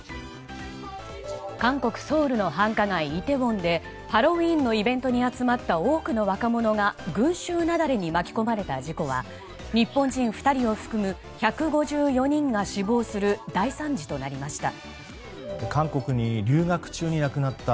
韓国ソウルの繁華街イテウォンでハロウィーンのイベントに集まった多くの若者が群衆雪崩に巻き込まれた事故は日本人２人を含む１５４人が死亡する大惨事となりました。